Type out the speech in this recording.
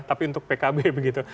tapi untuk pkb begitu